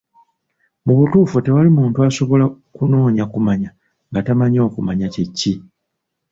Mu butuufu tewali muntu asobola kunoonya kumanya nga tamanyi okumanya kye ki?